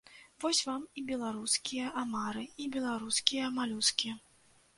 Вось вам і беларускія амары, і беларускія малюскі.